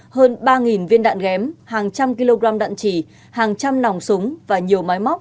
hơn ba viên đạn ghém hàng trăm kg đạn trì hàng trăm nòng súng và nhiều máy móc